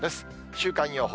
週間予報。